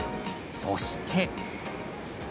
そして。